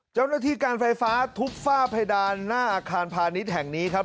เจ้าหน้าที่การไฟฟ้าทุบฝ้าเพดานหน้าอาคารพาณิชย์แห่งนี้ครับ